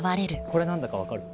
これ何だか分かる？